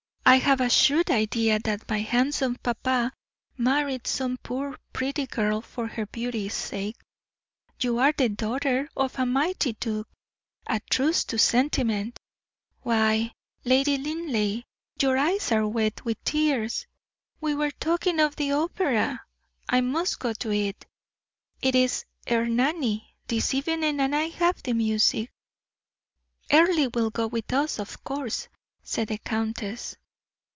I have a shrewd idea that my handsome papa married some poor, pretty girl for her beauty's sake you are the daughter of a mighty duke. A truce to sentiment! Why, Lady Linleigh, your eyes are wet with tears! We were talking of the opera I must go to it. It is 'Ernani' this evening, and I have the music." "Earle will go with us, of course," said the countess.